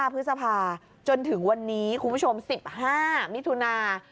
พฤษภาจนถึงวันนี้คุณผู้ชม๑๕มิถุนา